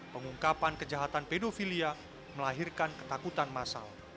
pengungkapan kejahatan pedofilia melahirkan ketakutan masal